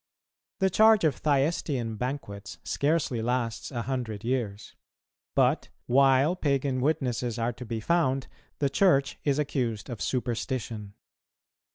The charge of Thyestean banquets scarcely lasts a hundred years; but, while pagan witnesses are to be found, the Church is accused of superstition.